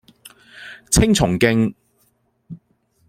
青松徑